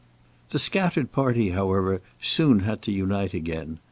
The scattered party, however, soon had to unite again.